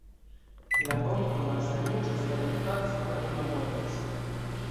La onklo malsaniĝis kaj en paco anima mortis.